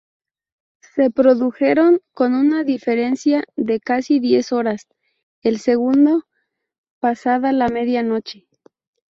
Se produjeron con una diferencia de casi diez horas, el segundo pasada la medianoche.